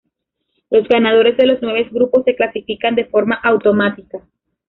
Los ganadores de los nueve grupos se clasifican de forma automática.